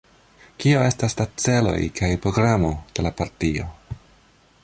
Kio estas la celoj kaj programo de la partio?